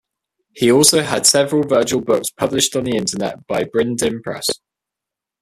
He also had several virtual books published on the Internet by Brindin Press.